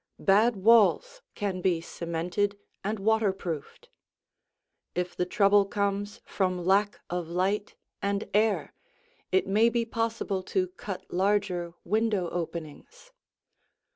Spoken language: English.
Bad walls can be cemented and waterproofed. If the trouble comes from lack of light and air, it may be possible to cut larger window openings.